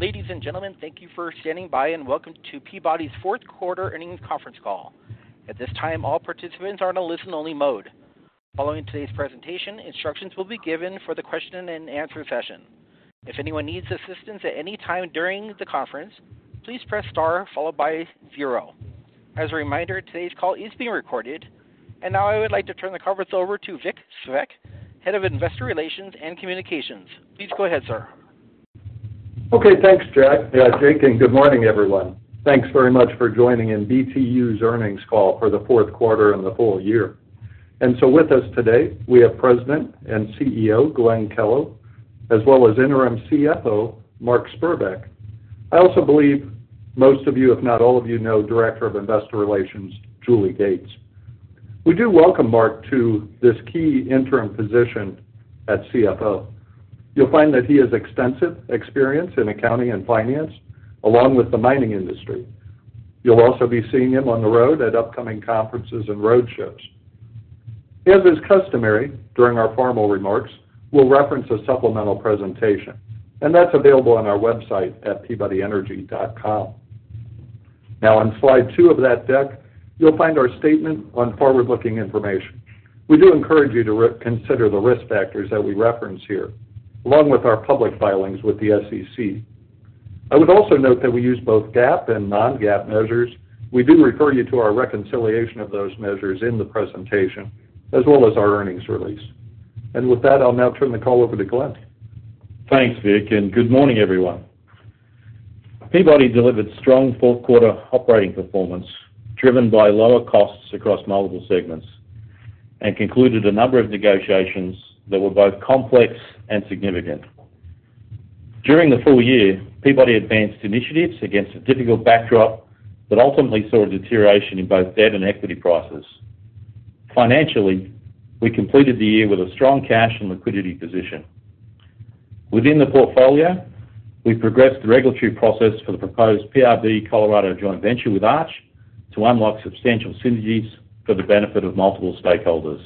Ladies and gentlemen, thank you for standing by, and welcome to Peabody's fourth quarter earnings conference call. At this time, all participants are in a listen-only mode. Following today's presentation, instructions will be given for the question and answer session. If anyone needs assistance at any time during the conference, please press star followed by zero. As a reminder, today's call is being recorded. Now I would like to turn the conference over to Vic Svec, Head of Investor Relations and Communications. Please go ahead, sir. Okay. Thanks, Jake. Good morning, everyone. Thanks very much for joining in Peabody's earnings call for the fourth quarter and the full year. With us today, we have President and CEO, Glenn Kellow as well as Interim CFO, Mark Spurbeck. I also believe most of you, if not all of you, know the Director of Investor Relations, Julie Gates. We do welcome Mark to this key interim position as CFO. You'll find that he has extensive experience in accounting and finance, along with the mining industry. You'll also be seeing him on the road at upcoming conferences and road shows. As is customary during our formal remarks, we'll reference a supplemental presentation, and that's available on our website at peabodyenergy.com. Now, on slide two of that deck, you'll find our statement on forward-looking information. We do encourage you to consider the risk factors that we reference here, along with our public filings with the SEC. I would also note that we use both GAAP and non-GAAP measures. We do refer you to our reconciliation of those measures in the presentation, as well as our earnings release. With that, I'll now turn the call over to Glenn. Thanks, Vic. Good morning, everyone. Peabody delivered strong fourth-quarter operating performance, driven by lower costs across multiple segments, and concluded a number of negotiations that were both complex and significant. During the full year, Peabody advanced initiatives against a difficult backdrop that ultimately saw a deterioration in both debt and equity prices. Financially, we completed the year with a strong cash and liquidity position. Within the portfolio, we progressed the regulatory process for the proposed PRB Colorado joint venture with Arch to unlock substantial synergies for the benefit of multiple stakeholders.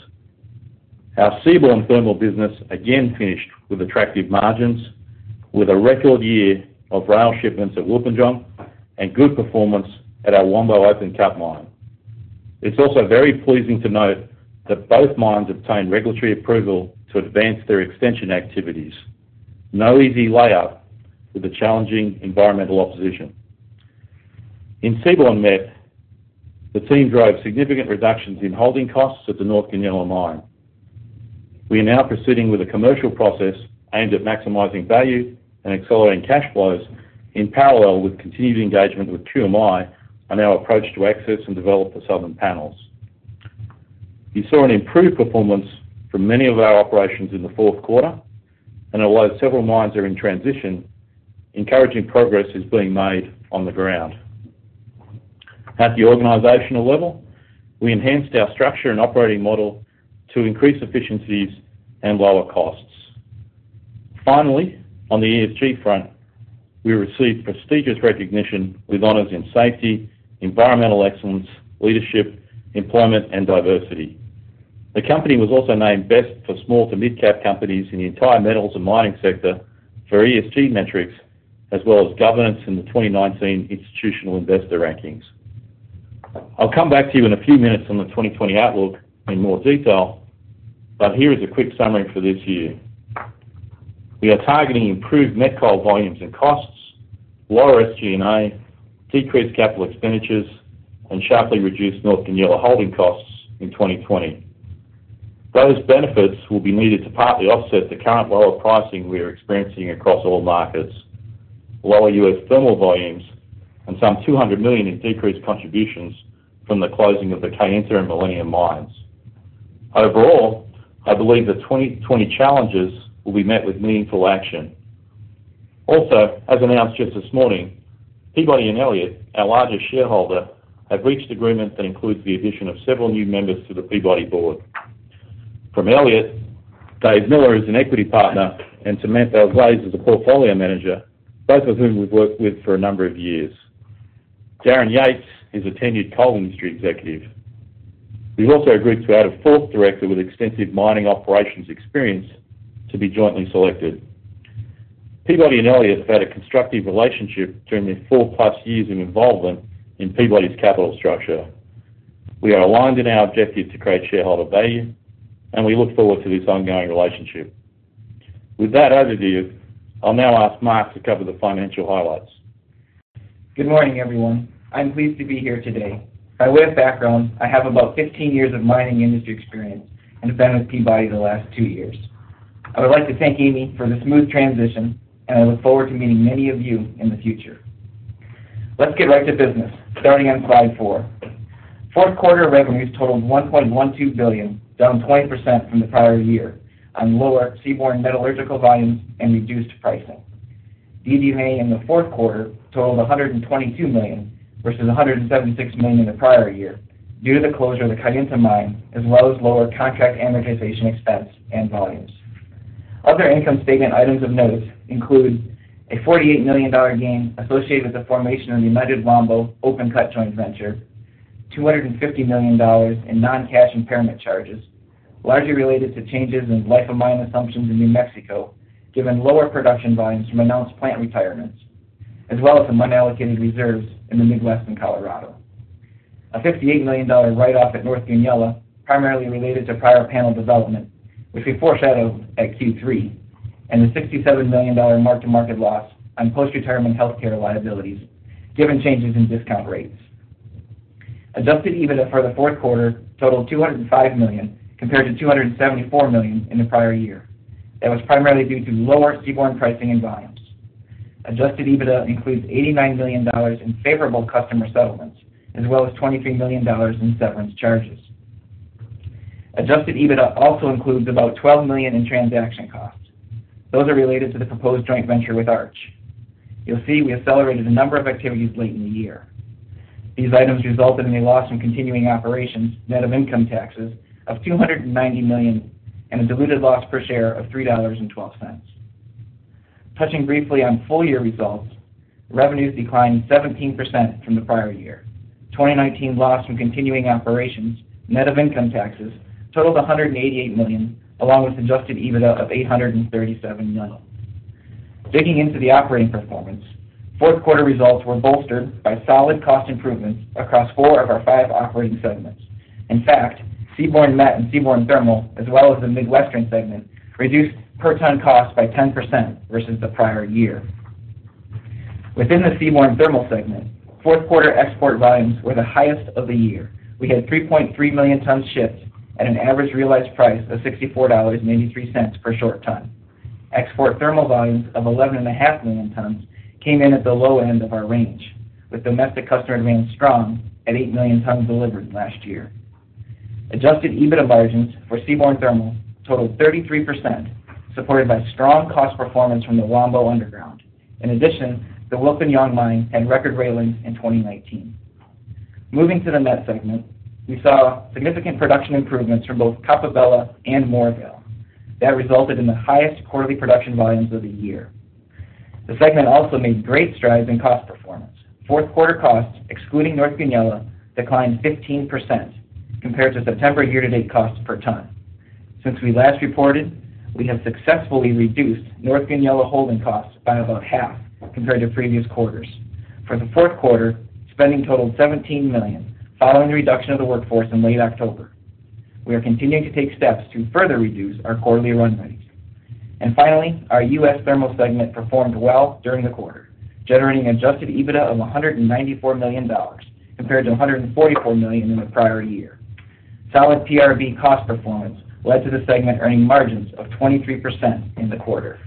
Our seaborne thermal business again finished with attractive margins, with a record year of rail shipments at Wilpinjong and good performance at our Wambo open-cut mine. It's also very pleasing to note that both mines obtained regulatory approval to advance their extension activities. No easy layup with the challenging environmental opposition. In Seaborne Met, the team drove significant reductions in holding costs at the North Goonyella mine. We are now proceeding with a commercial process aimed at maximizing value and accelerating cash flows in parallel with continued engagement with QMI on our approach to access and develop the southern panels. We saw an improved performance from many of our operations in the fourth quarter, and although several mines are in transition, encouraging progress is being made on the ground. At the organizational level, we enhanced our structure and operating model to increase efficiencies and lower costs. Finally, on the ESG front, we received prestigious recognition with honors in safety, environmental excellence, leadership, employment, and diversity. The company was also named best for small- to mid-cap companies in the entire metals and mining sector for ESG metrics, as well as governance, in the 2019 Institutional Investor rankings. I'll come back to you in a few minutes on the 2020 outlook in more detail. Here is a quick summary for this year. We are targeting improved met coal volumes and costs, lower SG&A, decreased capital expenditures, and sharply reduced North Goonyella holding costs in 2020. Those benefits will be needed to partly offset the current lower pricing we are experiencing across all markets, lower U.S. thermal volumes, and some $200 million in decreased contributions from the closing of the Kayenta and Millennium mines. Overall, I believe the 2020 challenges will be met with meaningful action. As announced just this morning, Peabody and Elliott, our largest shareholder, have reached agreements that include the addition of several new members to the Peabody board. From Elliott, Dave Miller is an equity partner, and Samantha Glaze is a portfolio manager, both of whom we've worked with for a number of years. Darren Yates is a tenured coal industry executive. We've also agreed to add a fourth director with extensive mining operations experience to be jointly selected. Peabody and Elliott have had a constructive relationship during their four-plus years of involvement in Peabody's capital structure. We are aligned in our objective to create shareholder value, and we look forward to this ongoing relationship. With that overview, I'll now ask Mark to cover the financial highlights. Good morning, everyone. I'm pleased to be here today. By way of background, I have about 15 years of mining industry experience and have been with Peabody the last two years. I would like to thank Amy for the smooth transition, and I look forward to meeting many of you in the future. Let's get right to business, starting on slide four. Fourth quarter revenues totaled $1.12 billion, down 20% from the prior year on lower seaborne metallurgical volumes and reduced pricing. EBITDA in the fourth quarter totaled $122 million versus $176 million in the prior year due to the closure of the Kayenta Mine, as well as lower contract amortization expense and volumes. Other income statement items of note include a $48 million gain associated with the formation of the United Wambo open-cut joint venture and $250 million in non-cash impairment charges, largely related to changes in life of mine assumptions in New Mexico, given lower production volumes from announced plant retirements, as well as the unallocated reserves in the Midwest and Colorado. A $58 million write-off at North Goonyella, primarily related to prior panel development, which we foreshadowed at Q3, and a $67 million mark-to-market loss on post-retirement healthcare liabilities, given changes in discount rates. Adjusted EBITDA for the fourth quarter totaled $205 million, compared to $274 million in the prior year. That was primarily due to lower seaborne pricing and volumes. Adjusted EBITDA includes $89 million in favorable customer settlements, as well as $23 million in severance charges. Adjusted EBITDA also includes about $12 million in transaction costs. Those are related to the proposed joint venture with Arch. You'll see we accelerated a number of activities late in the year. These items resulted in a loss from continuing operations, net of income taxes, of $290 million and a diluted loss per share of $3.12. Touching briefly on full-year results, revenues declined 17% from the prior year. The 2019 loss from continuing operations, net of income taxes, totaled $188 million, along with adjusted EBITDA of $837 million. Digging into the operating performance, fourth quarter results were bolstered by solid cost improvements across four of our five operating segments. In fact, Seaborne Met and Seaborne Thermal, as well as the Midwestern segment, reduced per-ton cost by 10% versus the prior year. Within the Seaborne Thermal segment, fourth quarter export volumes were the highest of the year. We had 3.3 million tons shipped at an average realized price of $64.83 per short ton. Export thermal volumes of 11.5 million tons came in at the low end of our range, with domestic customer demand strong at 8 million tons delivered last year. Adjusted EBITDA margins for Seaborne Thermal totaled 33%, supported by strong cost performance from the Wambo underground. In addition, the Wilpinjong Mine had record rail links in 2019. Moving to the Met segment, we saw significant production improvements from both Coppabella and Moorvale. That resulted in the highest quarterly production volumes of the year. The segment also made great strides in cost performance. Fourth quarter costs, excluding North Goonyella, declined 15% compared to September year-to-date costs per ton. Since we last reported, we have successfully reduced North Goonyella holding costs by about half compared to previous quarters. For the fourth quarter, spending totaled $17 million, following the reduction of the workforce in late October. We are continuing to take steps to further reduce our quarterly run rates. Finally, our U.S. thermal segment performed well during the quarter, generating adjusted EBITDA of $194 million compared to $144 million in the prior year. Solid PRB cost performance led to the segment earning margins of 23% in the quarter.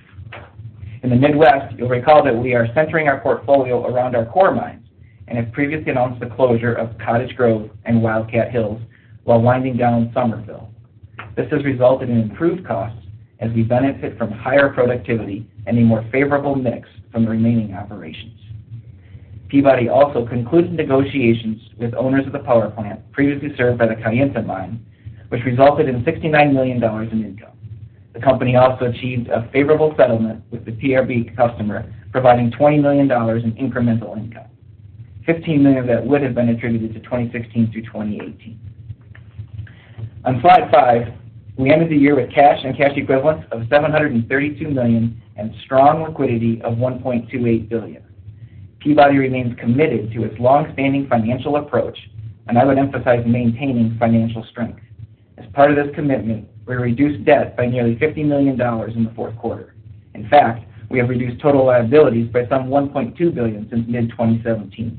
In the Midwest, you'll recall that we are centering our portfolio around our core mines and have previously announced the closure of Cottage Grove and Wildcat Hills while winding down Somerville Mine. This has resulted in improved costs as we benefit from higher productivity and a more favorable mix from the remaining operations. Peabody also concluded negotiations with owners of the power plant previously served by the Kayenta Mine, which resulted in $69 million in income. The company also achieved a favorable settlement with the PRB customer, providing $20 million in incremental income. $15 million of that would have been attributed to 2016 through 2018. On slide five, we ended the year with cash and cash equivalents of $732 million and strong liquidity of $1.28 billion. Peabody remains committed to its longstanding financial approach. I would emphasize maintaining financial strength. As part of this commitment, we reduced debt by nearly $50 million in the fourth quarter. In fact, we have reduced total liabilities by some $1.2 billion since mid-2017.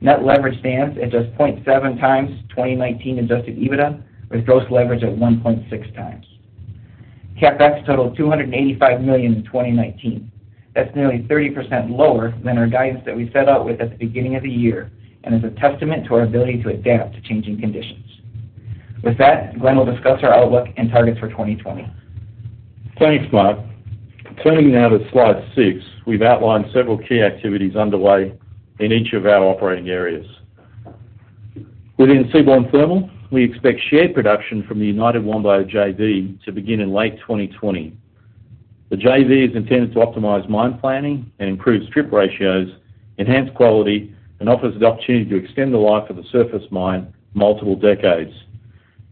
Net leverage stands at just 2019 adjusted EBITDA, with gross leverage at 1.6x. CapEx totaled $285 million in 2019. That's nearly 30% lower than our guidance that we set out with at the beginning of the year and is a testament to our ability to adapt to changing conditions. With that, Glenn will discuss our outlook and targets for 2020. Thanks, Mark. Turning now to slide six, we've outlined several key activities underway in each of our operating areas. Within Seaborne Thermal, we expect shared production from the United Wambo JV to begin in late 2020. The JV is intended to optimize mine planning and improve strip ratios, enhance quality, and offer the opportunity to extend the life of the surface mine multiple decades.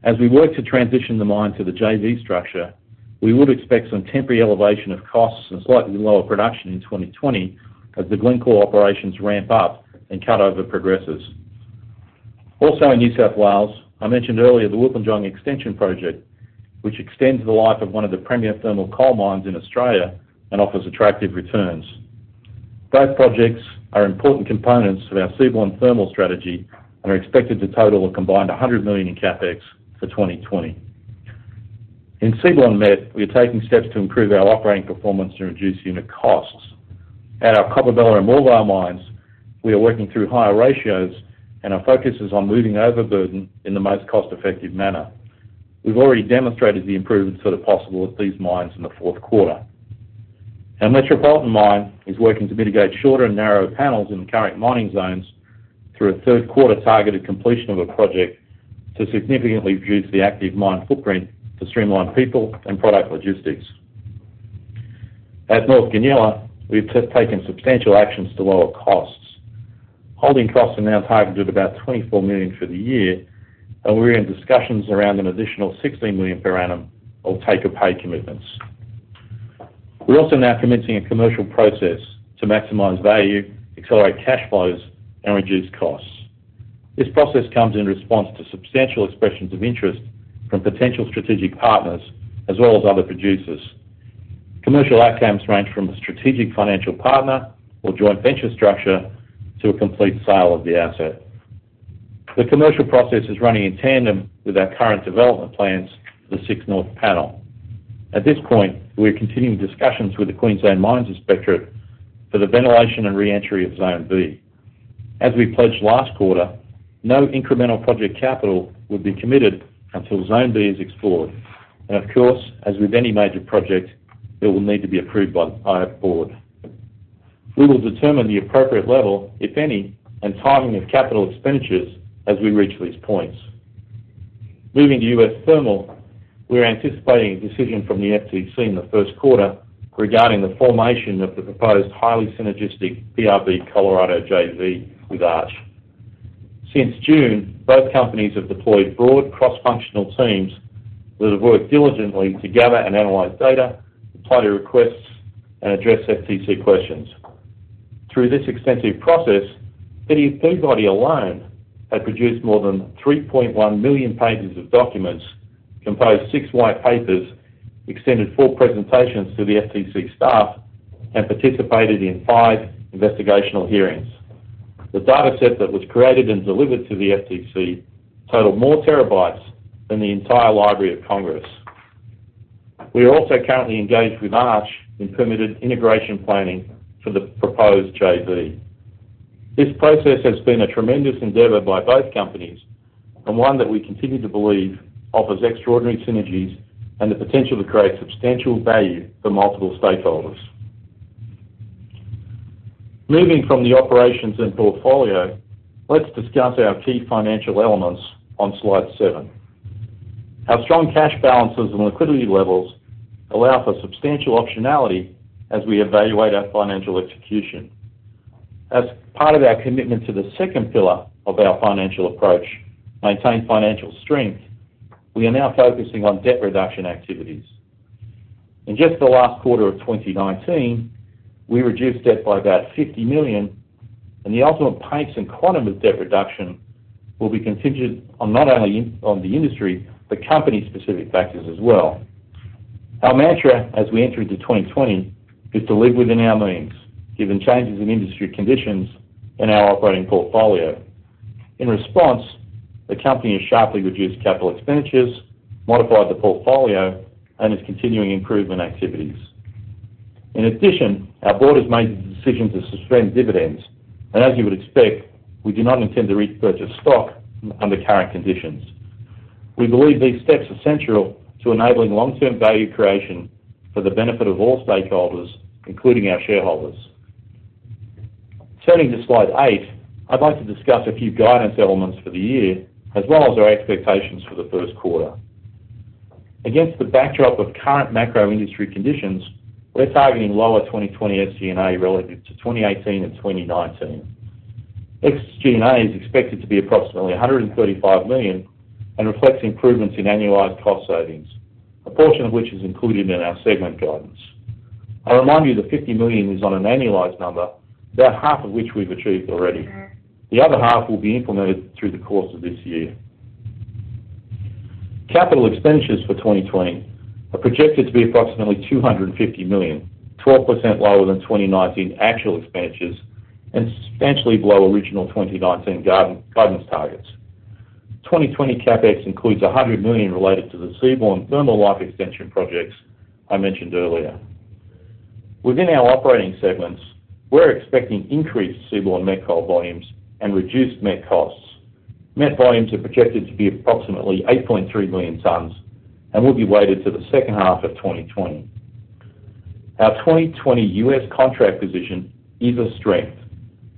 As we work to transition the mine to the JV structure, we would expect some temporary elevation of costs and slightly lower production in 2020 as the Glencore operations ramp up and cut-over progresses. In New South Wales, I mentioned earlier the Wilpinjong extension project, which extends the life of one of the premier thermal coal mines in Australia and offers attractive returns. Both projects are important components of our Seaborne Thermal strategy and are expected to total a combined $100 million in CapEx for 2020. In Seaborne Met, we are taking steps to improve our operating performance and reduce unit costs. At our Coppabella and Moorvale mines, we are working through higher ratios, and our focus is on moving overburden in the most cost-effective manner. We've already demonstrated the improvements that are possible at these mines in the fourth quarter. Our Metropolitan Mine is working to mitigate shorter and narrower panels in the current mining zones through a third quarter targeted completion of a project to significantly reduce the active mine footprint to streamline people and product logistics. At North Goonyella, we've taken substantial actions to lower costs. Holding costs are now targeted at about $24 million for the year. We're in discussions around an additional $16 million per annum of take-or-pay commitments. We're also now commencing a commercial process to maximize value, accelerate cash flows, and reduce costs. This process comes in response to substantial expressions of interest from potential strategic partners as well as other producers. Commercial outcomes range from a strategic financial partner or joint venture structure to a complete sale of the asset. The commercial process is running in tandem with our current development plans for the Six North panel. At this point, we are continuing discussions with the Queensland Mines Inspectorate for the ventilation and re-entry of Zone B. As we pledged last quarter, no incremental project capital will be committed until Zone B is explored. Of course, as with any major project, it will need to be approved by our board. We will determine the appropriate level, if any, and timing of capital expenditures as we reach these points. Moving to US thermal, we are anticipating a decision from the FTC in the first quarter regarding the formation of the proposed highly synergistic PRB Colorado JV with Arch. Since June, both companies have deployed broad cross-functional teams that have worked diligently to gather and analyze data, reply to requests, and address FTC questions. Through this extensive process, Peabody alone had produced more than 3.1 million pages of documents, composed six white papers, extended four presentations to the FTC staff, and participated in five investigational hearings. The dataset that was created and delivered to the FTC totaled more terabytes than the entire Library of Congress. We are also currently engaged with Arch in permitted integration planning for the proposed JV. This process has been a tremendous endeavor by both companies and one that we continue to believe offers extraordinary synergies and the potential to create substantial value for multiple stakeholders. Moving from the operations and portfolio, let's discuss our key financial elements on slide seven. Our strong cash balances and liquidity levels allow for substantial optionality as we evaluate our financial execution. As part of our commitment to the second pillar of our financial approach, maintain financial strength, we are now focusing on debt reduction activities. In just the last quarter of 2019, we reduced debt by about $50 million, and the ultimate pace and quantum of debt reduction will be contingent on not only the industry but company-specific factors as well. Our mantra as we enter into 2020 is to live within our means, given changes in industry conditions and our operating portfolio. In response, the company has sharply reduced capital expenditures, modified the portfolio, and is continuing improvement activities. Our board has made the decision to suspend dividends, and as you would expect, we do not intend to repurchase stock under current conditions. We believe these steps are central to enabling long-term value creation for the benefit of all stakeholders, including our shareholders. Turning to slide eight, I'd like to discuss a few guidance elements for the year as well as our expectations for the first quarter. Against the backdrop of current macro industry conditions, we're targeting lower 2020 SG&A relative to 2018 and 2019. SG&A is expected to be approximately $135 million and reflects improvements in annualized cost savings, a portion of which is included in our segment guidance. I remind you that $50 million is an annualized number, about half of which we've achieved already. The other half will be implemented through the course of this year. Capital expenditures for 2020 are projected to be approximately $250 million, 12% lower than 2019 actual expenditures and substantially below original 2019 guidance targets. 2020 CapEx includes $100 million related to the Seaborne thermal life extension projects I mentioned earlier. Within our operating segments, we're expecting increased Seaborne met coal volumes and reduced met costs. Met volumes are projected to be approximately 8.3 million tons and will be weighted to the second half of 2020. Our 2020 U.S. contract position is a strength,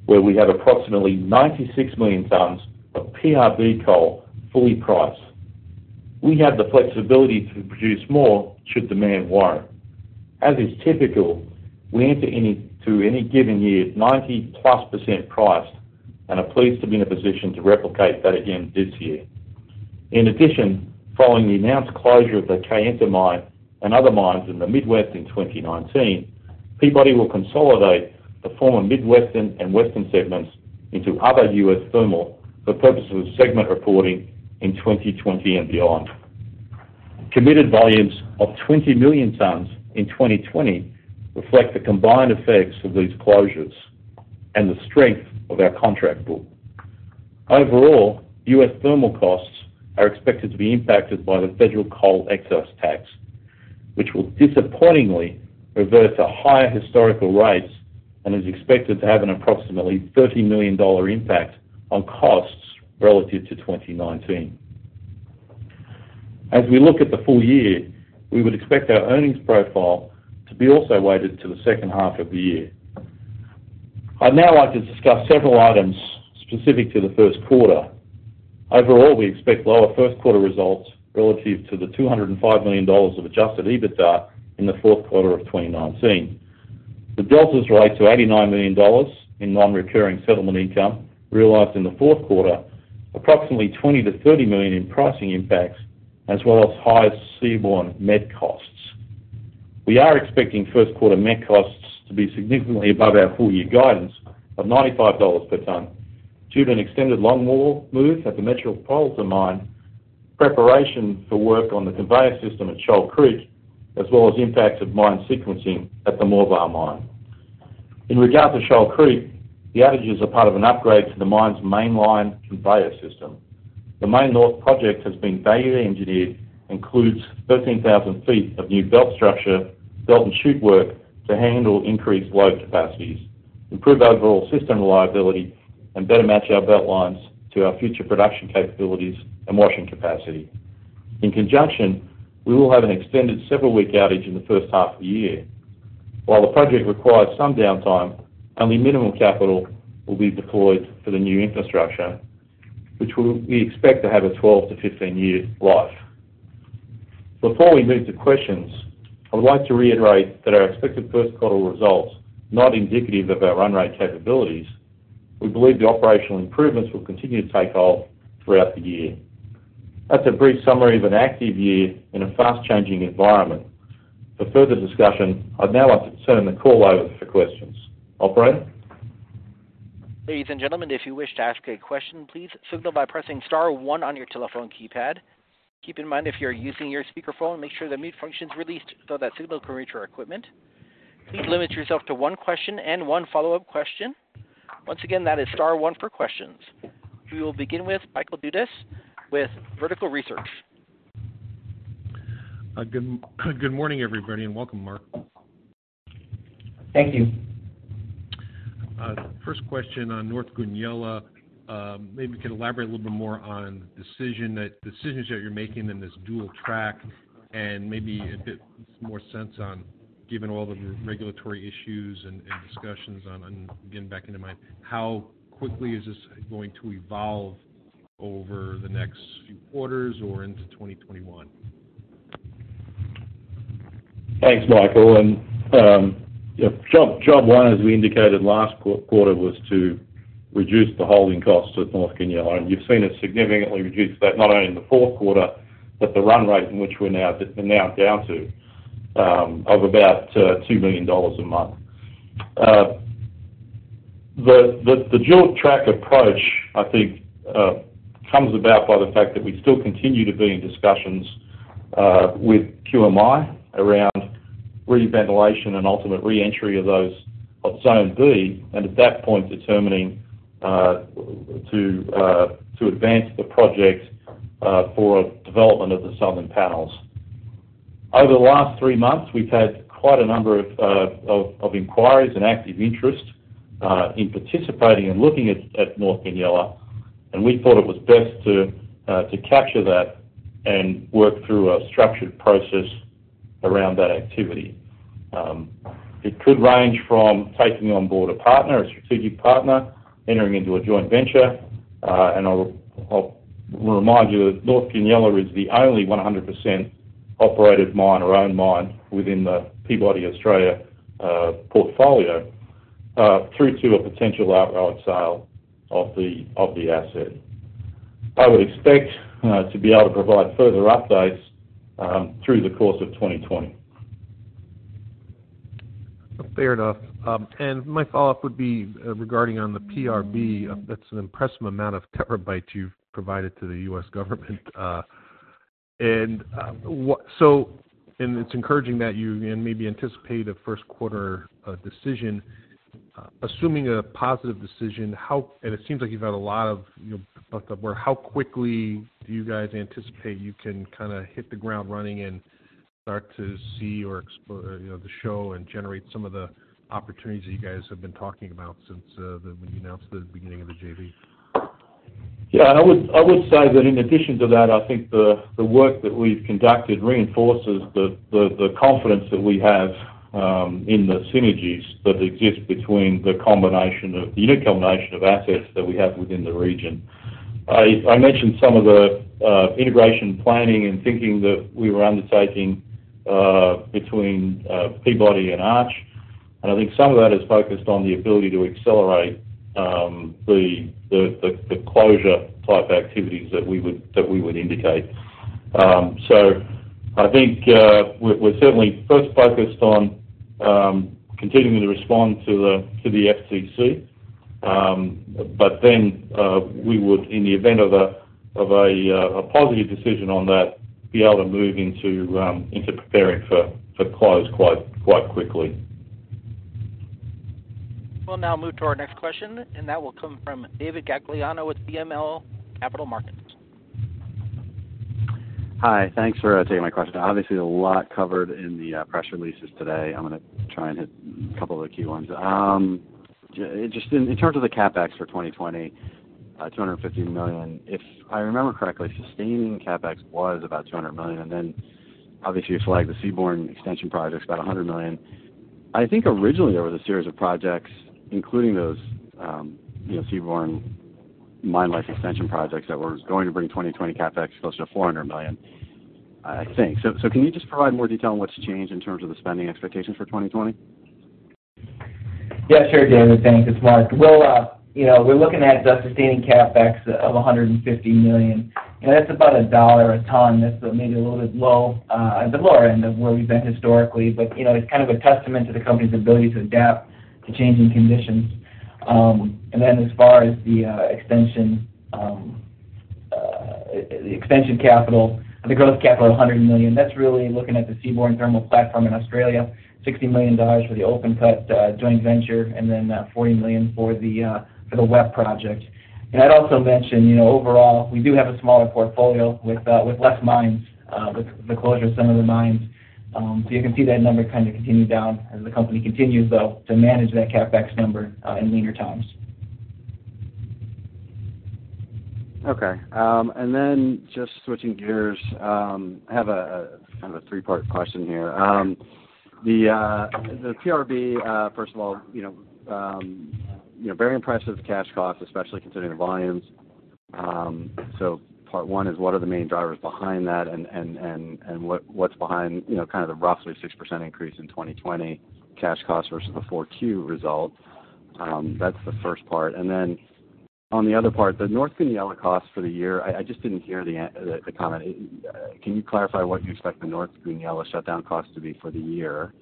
where we have approximately 96 million tons of PRB coal fully priced. We have the flexibility to produce more should demand warrant. As is typical, we enter into any given year 90%+ priced and are pleased to be in a position to replicate that again this year. In addition, following the announced closure of the Kayenta Mine and other mines in the Midwest in 2019, Peabody will consolidate the former Midwestern and Western segments into other U.S. thermal for purposes of segment reporting in 2020 and beyond. Committed volumes of 20 million tons in 2020 reflect the combined effects of these closures and the strength of our contract book. Overall, U.S. thermal costs are expected to be impacted by the federal coal excise tax, which will disappointingly revert to higher historical rates and is expected to have an approximately $30 million impact on costs relative to 2019. As we look at the full year, we would expect our earnings profile to also be weighted to the second half of the year. I'd now like to discuss several items specific to the first quarter. Overall, we expect lower first quarter results relative to the $205 million of adjusted EBITDA in the fourth quarter of 2019. The delta is related to $89 million in non-recurring settlement income realized in the fourth quarter and approximately $20 million-$30 million in pricing impacts, as well as higher seaborne met costs. We are expecting first-quarter met costs to be significantly above our full-year guidance of $95 per ton due to an extended longwall move at the Metropolitan Mine and preparation for work on the conveyor system at Shoal Creek, as well as impacts of mine sequencing at the Moorvale Mine. In regard to Shoal Creek, the outages are part of an upgrade to the mine's main line conveyor system. The main North project has been value engineered and includes 13,000 feet of new belt structure and belt and chute work to handle increased load capacities, improve overall system reliability, and better match our belt lines to our future production capabilities and washing capacity. In conjunction, we will have an extended, several-week outage in the first half of the year. While the project requires some downtime, only minimal capital will be deployed for the new infrastructure, which we expect to have a 12-15 year life. Before we move to questions, I would like to reiterate that our expected first quarter results are not indicative of our run rate capabilities. We believe the operational improvements will continue to take hold throughout the year. That's a brief summary of an active year in a fast-changing environment. For further discussion, I'd now like to turn the call over for questions. Operator? Ladies and gentlemen, if you wish to ask a question, please signal by pressing star one on your telephone keypad. Keep in mind, if you're using your speakerphone, make sure the mute function's released so that signal can reach our equipment. Please limit yourself to one question and one follow-up question. Once again, that is star one for questions. We will begin with Michael Dudas with Vertical Research. Good morning, everybody, and welcome, Mark. Thank you. First question on North Goonyella. Maybe you could elaborate a little bit more on the decisions that you're making in this dual track and maybe make a bit more sense of, given all the regulatory issues and discussions on getting back into mine, how quickly is this going to evolve over the next few quarters or into 2021? Thanks, Michael. Job one, as we indicated last quarter, was to reduce the holding costs at North Goonyella. You've seen us significantly reduce that, not only in the fourth quarter but also in the run rate, in which we're now down to about $2 million a month. The dual-track approach, I think, comes about by the fact that we still continue to be in discussions with QMI around reventilation and ultimate re-entry of zone B and, at that point, determining to advance the project for the development of the southern panels. Over the last three months, we've had quite a number of inquiries and active interest in participating and looking at North Goonyella. We thought it was best to capture that and work through a structured process around that activity. It could range from taking on board a partner or a strategic partner to entering into a joint venture. I'll remind you that North Goonyella is the only 100% operated mine or own mine within the Peabody Australia portfolio, through to a potential outright sale of the asset. I would expect to be able to provide further updates through the course of 2020. Fair enough. My follow-up would be regarding the PRB. That's an impressive amount of terabytes you've provided to the U.S. government. It's encouraging that you again maybe anticipate a first-quarter decision. Assuming a positive decision, how quickly do you guys anticipate you can hit the ground running and start to see or explore the show and generate some of the opportunities that you guys have been talking about since we announced the beginning of the JV? Yeah, I would say that in addition to that, I think the work that we've conducted reinforces the confidence that we have in the synergies that exist between the unique combination of assets that we have within the region. I mentioned some of the integration planning and thinking that we were undertaking between Peabody and Arch, and I think some of that is focused on the ability to accelerate the closure type activities that we would indicate. I think we're certainly first focused on continuing to respond to the FTC. We would, in the event of a positive decision on that, be able to move into preparing for close quite quickly. We'll now move to our next question, and that will come from David Gagliano with BMO Capital Markets. Hi. Thanks for taking my question. Obviously, a lot was covered in the press releases today. I'm going to try and hit a couple of the key ones. Just in terms of the CapEx for 2020, $250 million. If I remember correctly, sustaining CapEx was about $200 million. Then obviously you flag the Seaborne extension projects, about $100 million worth. I think originally there was a series of projects, including those Seaborne mine life extension projects that were going to bring 2020 CapEx closer to $400 million, I think. Can you just provide more detail on what's changed in terms of the spending expectations for 2020? Yeah, sure, David. Thanks. It's Mark. We're looking at a sustaining CapEx of $150 million. That's about $1 a ton. That's maybe a little bit low, at the lower end of where we've been historically. It's a testament to the company's ability to adapt to changing conditions. As far as the extension capital, the growth capital of $100 million, that's really looking at the Seaborne thermal platform in Australia, $60 million for the open-cut joint venture. $40 million for the Wambo project. I'd also mention, overall, we do have a smaller portfolio with fewer mines, with the closure of some of the mines. You can see that number continue down as the company continues, though, to manage that CapEx number in leaner times. Okay. Just switching gears, I have a three-part question here. The PRB first of all, has very impressive cash costs, especially considering the volumes. Part one is, what are the main drivers behind that, and what's behind the roughly 6% increase in 2020 cash costs versus the Q4 results? That's the first part. On the other part, the North Goonyella cost for the year, I just didn't hear the comment. Can you clarify what you expect the North Goonyella shutdown cost to be for the year?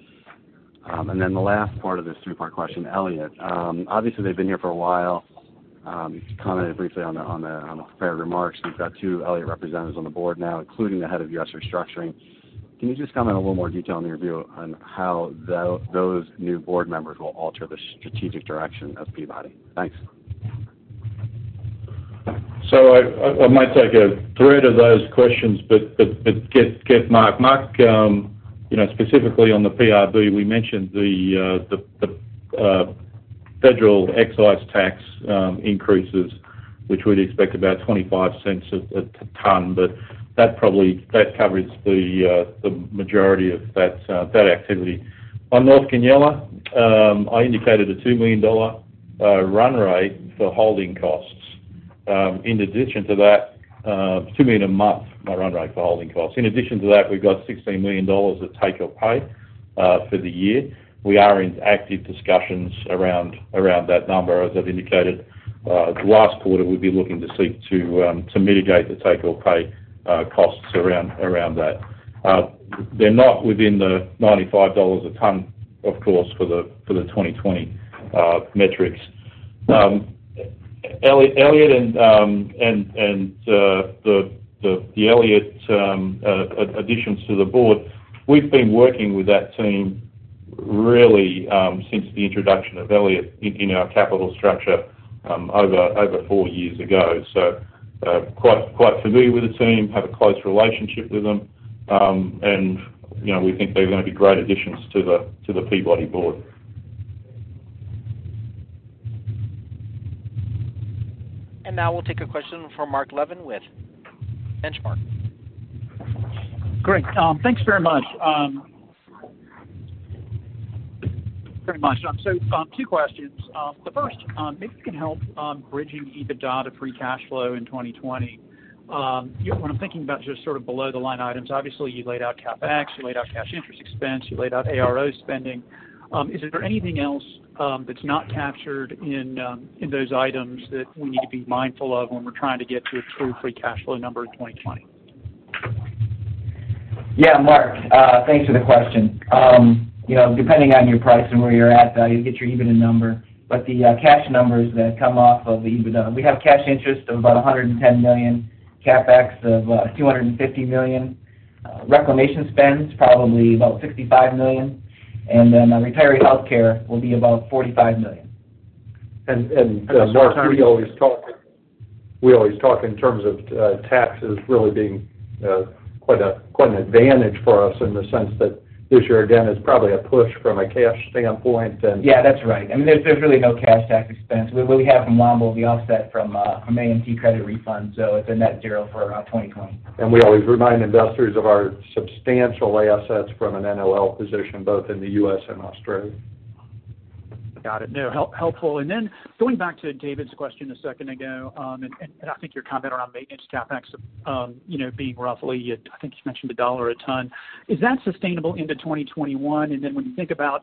The last part of this three-part question, Elliott. Obviously, they've been here for a while. You commented briefly on the prepared remarks. You've got two Elliott representatives on the board now, including the head of U.S. restructuring. Can you just comment in a little more detail on your view on how those new board members will alter the strategic direction of Peabody? Thanks. I might take a thread of those questions, but get Mark, specifically on the PRB; we mentioned the federal excise tax increases, which we'd expect to be about $0.25 a ton. That covers the majority of that activity. On North Goonyella, I indicated a $2 million run rate for holding costs. In addition to that, assuming a run rate for holding costs. In addition to that, we've got $16 million of take-or-pay for the year. We are in active discussions around that number, as I've indicated last quarter; we'd be looking to seek to mitigate the take-or-pay costs around that. They're not within the $95 a ton, of course, for the 2020 metrics. The Elliott additions to the board—we've been working with that team really since the introduction of Elliott in our capital structure over four years ago. Quite familiar with the team and have a close relationship with them. We think they're going to be great additions to the Peabody Board. Now we'll take a question from Mark Levin with Benchmark. Great. Thanks very much. Two questions. The first, maybe you can help bridge EBITDA to free cash flow in 2020. When I'm thinking about just below the line items, obviously you laid out CapEx, you laid out cash interest expense, and you laid out ARO spending. Is there anything else that's not captured in those items that we need to be mindful of when we're trying to get to a true free cash flow number in 2020? Yeah, Mark, thanks for the question. Depending on your price and where you're at, you'll get your EBITDA number. The cash numbers that come off of the EBITDA, we have cash interest of about $110 million, CapEx of $250 million, reclamation spend's probably about $65 million, and then retiree healthcare will be about $45 million. Mark, we always talk in terms of taxes really being quite an advantage for us in the sense that this year, again, is probably a push from a cash standpoint. That's right. I mean, there's really no cash tax expense. What we have from Wambo will be offset from AMT credit refunds. It's a net zero for 2020. We always remind investors of our substantial assets from an NOL position both in the U.S. and Australia. Got it. No, helpful. Going back to David's question a second ago, I think your comment around maintenance CapEx being roughly, I think you mentioned, $1 a ton. Is that sustainable into 2021? When you think about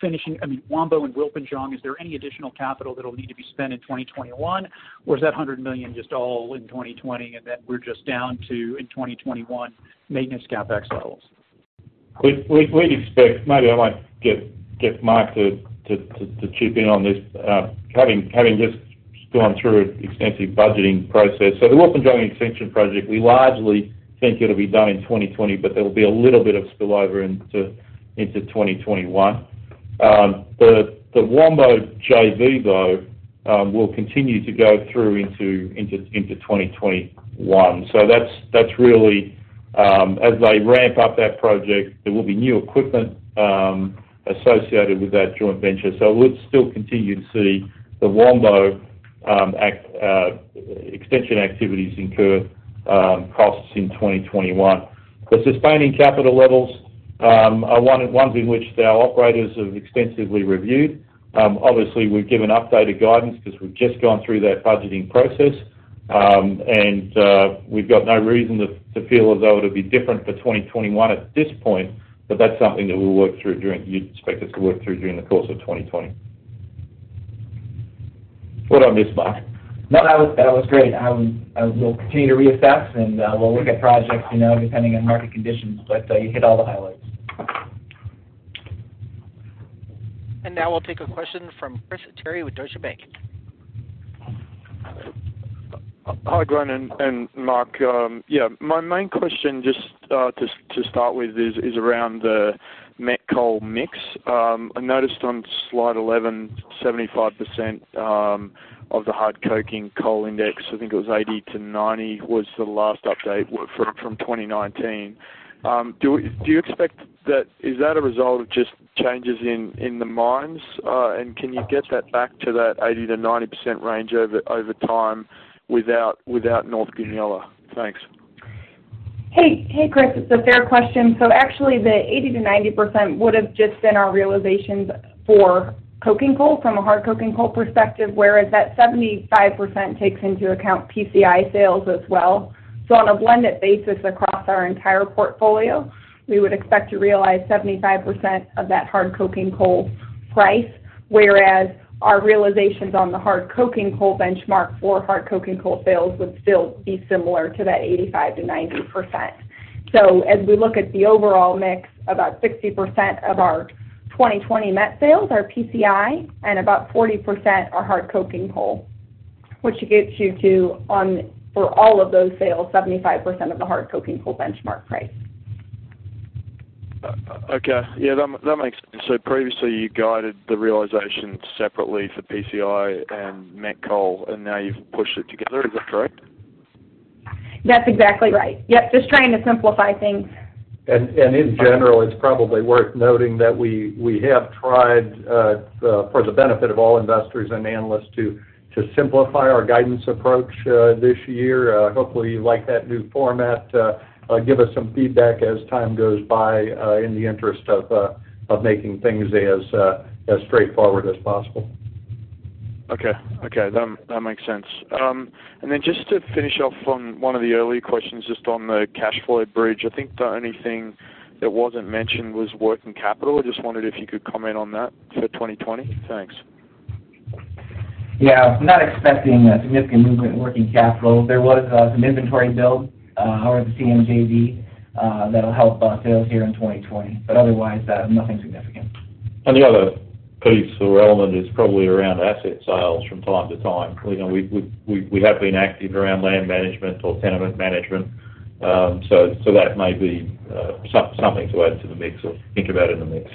finishing, I mean, Wambo and Wilpinjong, is there any additional capital that'll need to be spent in 2021? Is that $100 million just all in 2020, and then we're just down to 2021 maintenance CapEx levels? We expect maybe I might get Mark to chip in on this, having just gone through an extensive budgeting process. The Wilpinjong extension project, we largely think it'll be done in 2020, but there will be a little bit of spillover into 2021. The Wambo JV, though, will continue into 2021. As they ramp up that project, there will be new equipment associated with that joint venture. We'd still continue to see the Wambo extension activities incur costs in 2021. The sustaining capital levels are ones in which our operators have extensively reviewed. Obviously, we've given updated guidance because we've just gone through that budgeting process. We've got no reason to feel as though it'll be different for 2021 at this point. That's something that you'd expect us to work through during the course of 2020. What did I miss, Mark? No, that was great. We'll continue to reassess, and we'll look at projects, depending on market conditions. You hit all the highlights. Now we'll take a question from Chris Terry with Deutsche Bank. Hi, Glenn and Mark. Yeah, my main question, just to start with, is around the met coal mix. I noticed on slide 11, 75% of the hard coking coal index, I think it was 80%-90%, was the last update from 2019. Is that a result of just changes in the mines? Can you get that back to that 80%-90% range over time without North Goonyella? Thanks. Hey, Chris. It's a fair question. Actually, the 80%-90% would've just been our realizations for coking coal from a hard coking coal perspective, whereas that 75% takes into account PCI sales as well. On a blended basis across our entire portfolio, we would expect to realize 75% of that hard coking coal price, whereas our realizations on the hard coking coal benchmark for hard coking coal sales would still be similar to that 85%-90%. As we look at the overall mix, about 60% of our 2020 met sales are PCI and about 40% are hard coking coal, which gets you to, for all of those sales, 75% of the hard coking coal benchmark price. Okay. Yeah, that makes sense. Previously, you guided the realization separately for PCI and met coal, and now you've pushed it together. Is that correct? That's exactly right. Yep. Just trying to simplify things. In general, it's probably worth noting that we have tried, for the benefit of all investors and analysts, to simplify our guidance approach this year. Hopefully, you like that new format. Give us some feedback as time goes by in the interest of making things as straightforward as possible. Okay. That makes sense. Then just to finish off on one of the earlier questions, just on the cash flow bridge, I think the only thing that wasn't mentioned was working capital. I just wondered if you could comment on that for 2020. Thanks. Yeah. I'm not expecting a significant movement in working capital. There was some inventory buildout of the CM JV that'll help sales here in 2020. Otherwise, nothing significant. The other piece or element is probably around asset sales from time to time. We have been active around land management or tenement management. That may be something to add to the mix or think about in the mix.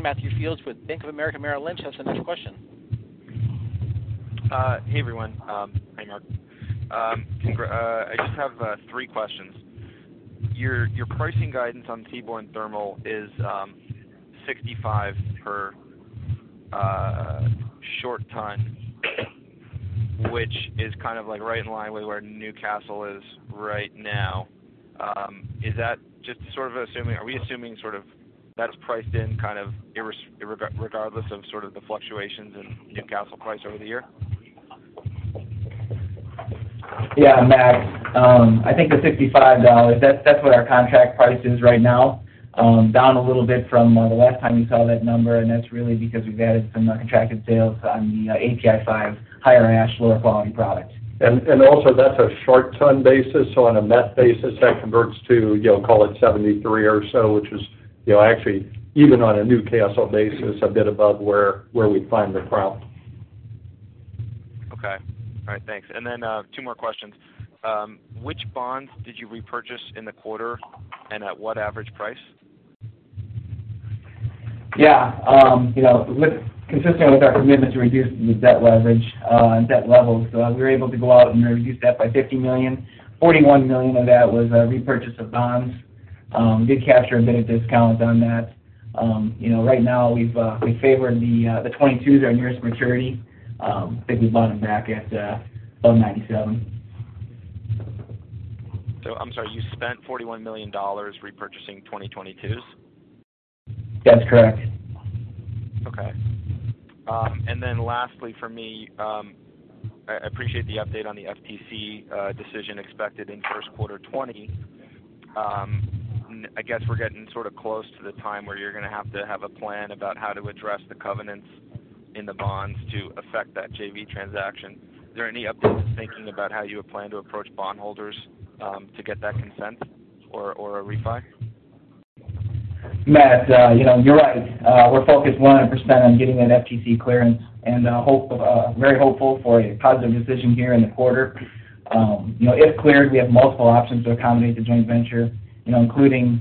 Matthew Fields with Bank of America Merrill Lynch has the next question. Hey, everyone. Hi, Mark. I just have three questions. Your pricing guidance on seaborne thermal is $65 per short ton, which is right in line with where Newcastle is right now. Are we assuming that is priced in regardless of the fluctuations in Newcastle price over the year? Yeah, Matt. I think the $65, that's what our contract price is right now. Down a little bit from the last time you saw that number, and that's really because we've added some contracted sales on the API5, higher ash, lower quality product. Also, that's on a short-ton basis, so on a metric basis, that converts to, call it $73 or so, which is actually, even on a Newcastle basis, a bit above where we find the prompt. Okay. All right. Thanks. Two more questions. Which bonds did you repurchase in the quarter, and at what average price? Yeah. Consistent with our commitment to reduce the debt leverage and debt levels, we were able to go out and reduce that by $50 million. $41 million of that was a repurchase of bonds. Did capture a bit of discount on that. Right now, we favor the '22s, our nearest maturity. I think we bought them back at 1.97x. I'm sorry, you spent $41 million repurchasing 2022s? That's correct. Okay. Lastly for me, I appreciate the update on the FTC decision expected in the first quarter of 2020. I guess we're getting close to the time where you're going to have to have a plan about how to address the covenants in the bonds to affect that JV transaction. Is there any update to thinking about how you plan to approach bondholders to get that consent or a refi? Matt, you're right. We're focused 100% on getting that FTC clearance and very hopeful for a positive decision here in the quarter. If cleared, we have multiple options to accommodate the joint venture, including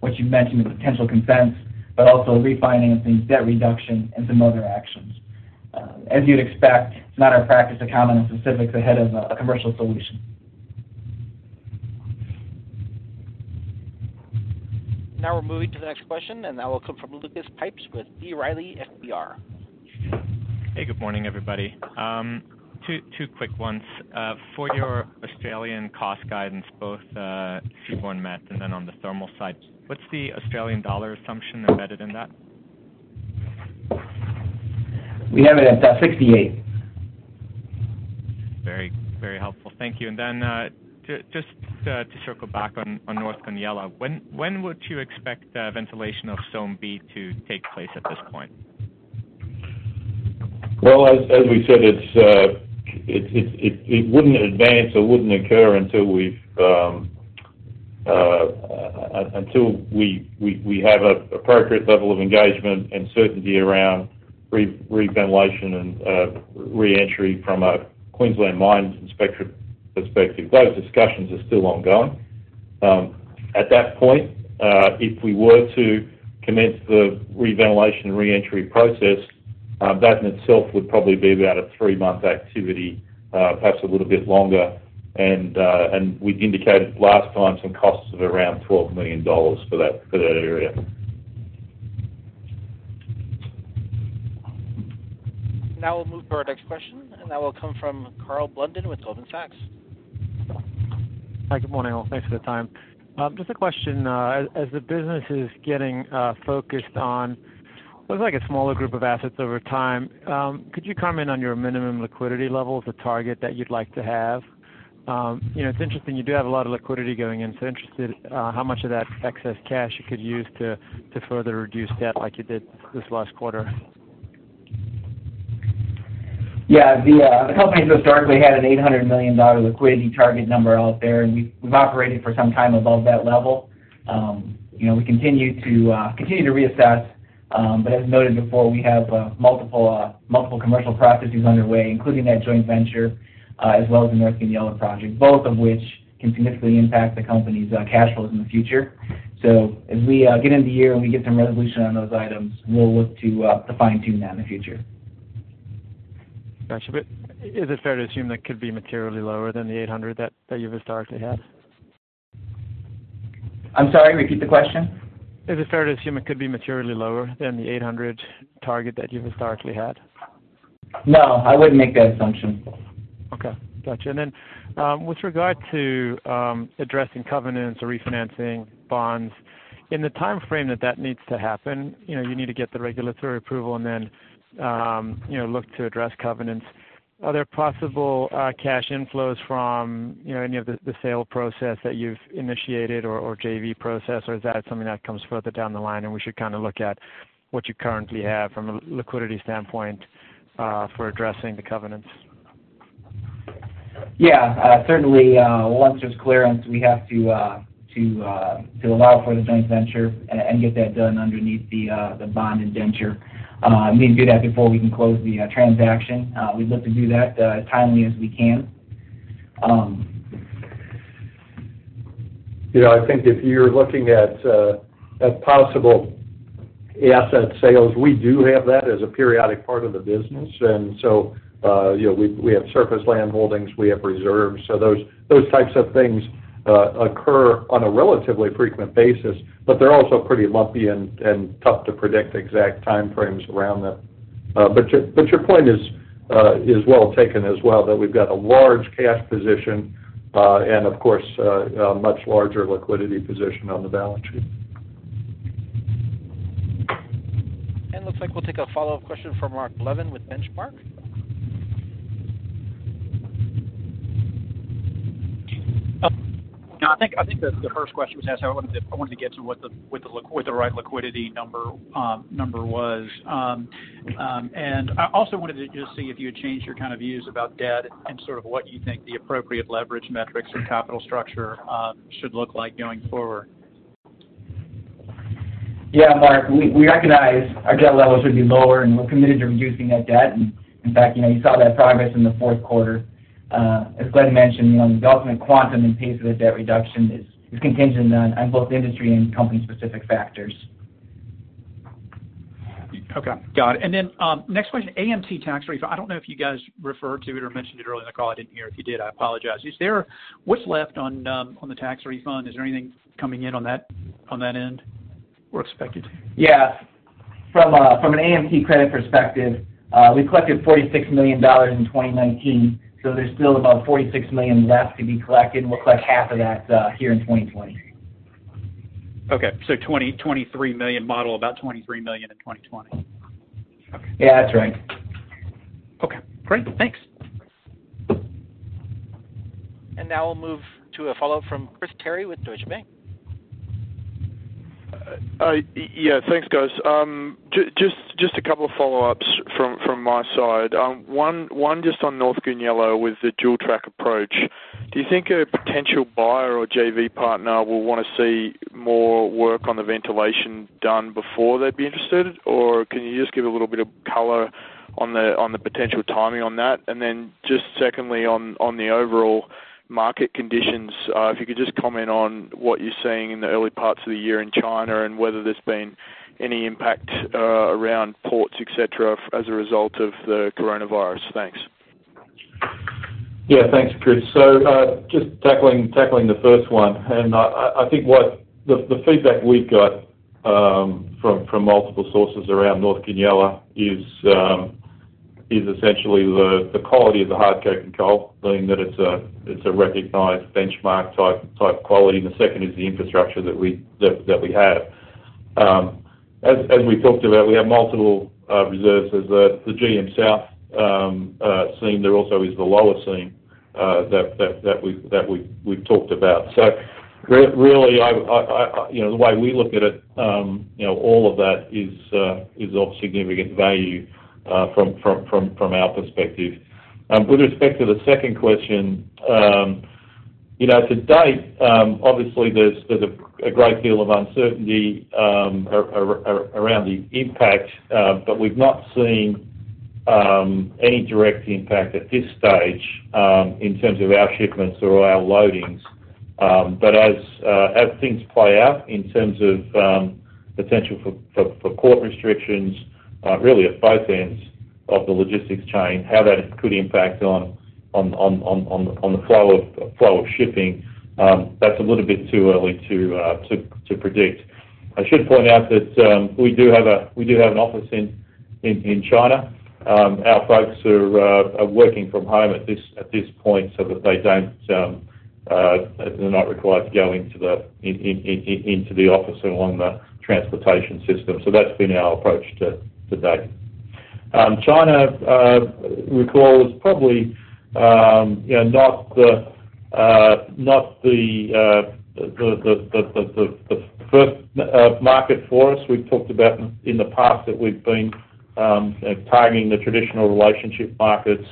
what you mentioned, the potential consents, but also refinancing, debt reduction, and some other actions. As you'd expect, it's not our practice to comment on specifics ahead of a commercial solution. Now we're moving to the next question, and that will come from Lucas Pipes with B. Riley FBR. Hey, good morning, everybody. Two quick ones. For your Australian cost guidance, both Seaborne met and then on the thermal side, what's the Australian dollar assumption embedded in that? We have it at 68. Very helpful. Thank you. Then, just to circle back on North Goonyella, when would you expect ventilation of Zone B to take place at this point? Well, as we said, it wouldn't advance or wouldn't occur until we have an appropriate level of engagement and certainty around reventilation and re-entry from a Queensland Mines Inspector perspective. Those discussions are still ongoing. At that point, if we were to commence the reventilation and re-entry process, that in itself would probably be about a three-month activity, perhaps a little bit longer. We'd indicated last time some costs of around $12 million for that area. Now we'll move to our next question, and that will come from Karl Blunden with Goldman Sachs. Hi, good morning, all. Thanks for the time. Just a question. As the business is getting focused on, looks like a smaller group of assets over time, could you comment on your minimum liquidity levels or target that you'd like to have? It's interesting, you do have a lot of liquidity going in. Interested how much of that excess cash you could use to further reduce debt like you did this last quarter. The company has historically had an $800 million liquidity target number out there, and we've operated for some time above that level. We continue to reassess, but as noted before, we have multiple commercial processes underway, including that joint venture, as well as the North Goonyella project, both of which can significantly impact the company's cash flows in the future. As we get into the year and we get some resolution on those items, we'll look to fine-tune that in the future. Got you. Is it fair to assume that could be materially lower than the $800 that you've historically had? I'm sorry, repeat the question. Is it fair to assume it could be materially lower than the 800 target that you've historically had? No, I wouldn't make that assumption. Okay. Got you. Then, with regard to addressing covenants or refinancing bonds, in the timeframe that needs to happen, you need to get the regulatory approval and then look to address covenants. Are there possible cash inflows from any of the sale process that you've initiated or JV process, or is that something that comes further down the line and should we look at what you currently have from a liquidity standpoint for addressing the covenants? Yeah. Certainly, once there's clearance, we have to allow for the joint venture and get that done underneath the bond indenture. We need to do that before we can close the transaction. We look to do that as timely as we can. I think if you're looking at possible asset sales, we do have that as a periodic part of the business. We have surface landholdings, we have reserves. Those types of things occur on a relatively frequent basis, but they're also pretty lumpy and tough to predict exact timeframes around them. Your point is well taken as well: we've got a large cash position and, of course, a much larger liquidity position on the balance sheet. Looks like we'll take a follow-up question from Mark Levin with Benchmark. No, I think the first question was asked; I wanted to get to what the right liquidity number was. I also wanted to just see if you had changed your views about debt and what you think the appropriate leverage metrics or capital structure should look like going forward. Yeah, Mark. We recognize our debt levels should be lower, and we're committed to reducing that debt. In fact, you saw that progress in the fourth quarter. As Glenn mentioned, the development, quantum, and pace of the debt reduction is contingent on both industry and company-specific factors. Okay. Got it. Next question: AMT tax refund. I don't know if you guys referred to it or mentioned it earlier in the call. I didn't hear it. If you did, I apologize. What's left on the tax refund? Is there anything coming in on that end or expected? Yeah. From an AMT credit perspective, we collected $46 million in 2019. There's still about $46 million left to be collected, and we'll collect half of that here in 2020. Okay. $23 million model, about $23 million in 2020. Yeah, that's right. Okay, great. Thanks. Now we'll move to a follow-up from Christopher Terry with Deutsche Bank. Yeah. Thanks, guys. Just a couple of follow-ups from my side. One, just on North Goonyella with the dual track approach, do you think a potential buyer or JV partner will want to see more work on the ventilation done before they'd be interested, or can you just give a little bit of color on the potential timing on that? Just secondly, on the overall market conditions, if you could just comment on what you're seeing in the early parts of the year in China and whether there's been any impact around ports, et cetera, as a result of the coronavirus. Thanks. Yeah. Thanks, Chris. Just tackling the first one, and I think the feedback we got from multiple sources around North Goonyella is essentially the quality of the coking coal, being that it's a recognized benchmark-type quality, and the second is the infrastructure that we have. As we talked about, we have multiple reserves. There's the GM Seam. There also is the Lower seam that we've talked about. Really, the way we look at it, all of that is of significant value from our perspective. With respect to the second question, to date, obviously, there's a great deal of uncertainty around the impact. We've not seen any direct impact at this stage in terms of our shipments or our loadings. As things play out in terms of potential for port restrictions, really at both ends of the logistics chain, how that could impact on the flow of shipping, that's a little bit too early to predict. I should point out that we do have an office in China. Our folks are working from home at this point so that they're not required to go into the office and on the transportation system. That's been our approach to date. China, we call, is probably not the first market for us. We've talked about in the past that we've been targeting the traditional relationship markets: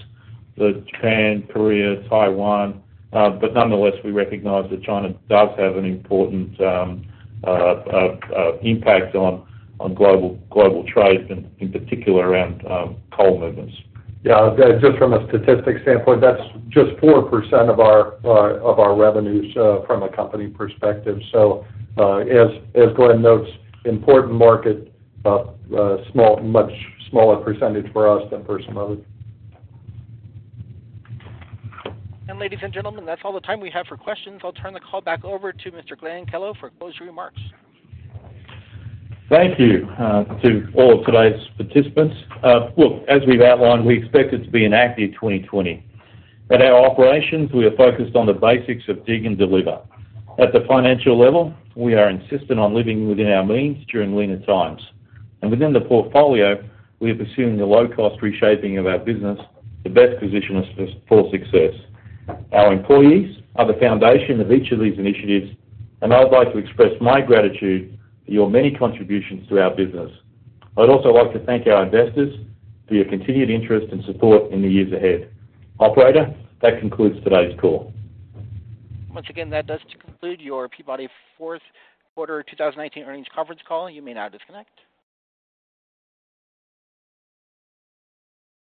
Japan, Korea, Taiwan. Nonetheless, we recognize that China does have an important impact on global trade, in particular around coal movements. Yeah. Just from a statistics standpoint, that's just 4% of our revenues from a company perspective. As Glenn notes, it's an important market, but a much smaller percentage for us than for some others. Ladies and gentlemen, that's all the time we have for questions. I'll turn the call back over to Mr. Glenn Kellow for closing remarks. Thank you to all of today's participants. Look, as we've outlined, we expect it to be an active 2020. At our operations, we are focused on the basics of dig and deliver. At the financial level, we are insistent on living within our means during leaner times. Within the portfolio, we are pursuing a low-cost reshaping of our business to best position us for success. Our employees are the foundation of each of these initiatives, and I would like to express my gratitude for your many contributions to our business. I would also like to thank our investors for your continued interest and support in the years ahead. Operator, that concludes today's call. Once again, that does conclude your Peabody fourth quarter 2019 earnings conference call. You may now disconnect.